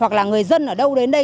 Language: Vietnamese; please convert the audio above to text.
hoặc là người dân ở đâu đến đây